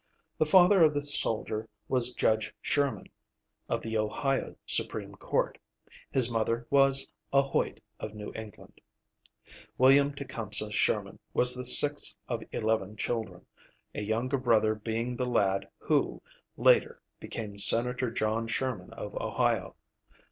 The father of the soldier was Judge Sherman, of the Ohio Supreme Court; his mother was "a Hoyt of New England." William Tecumseh Sherman was the sixth of eleven children, a younger brother being the lad who, later, became Senator John Sherman of Ohio.